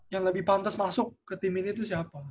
yang lebih pantas masuk ke tim ini itu siapa